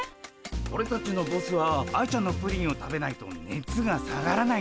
オレたちのボスは愛ちゃんのプリンを食べないとねつが下がらないんだ。